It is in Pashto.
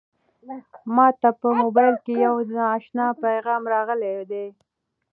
ما ته په موبایل کې یو نااشنا پیغام راغلی دی.